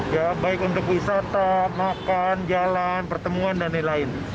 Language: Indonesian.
ya baik untuk wisata makan jalan pertemuan dan lain lain